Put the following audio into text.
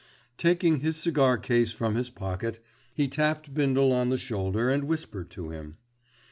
Taking his cigar case from his pocket, he tapped Bindle on the shoulder and whispered to him.